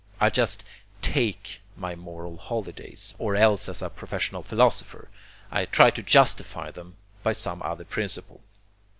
I just TAKE my moral holidays; or else as a professional philosopher, I try to justify them by some other principle.